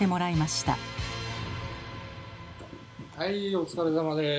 お疲れさまです。